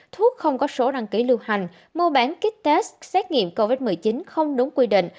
thuốc không có số đăng ký lưu hành mua bán kích tết xét nghiệm covid một mươi chín không đúng quy định